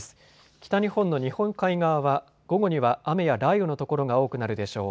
北日本の日本海側は午後には雨や雷雨の所が多くなるでしょう。